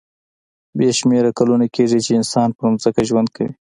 بې شمېره کلونه کېږي چې انسان پر ځمکه ژوند کوي.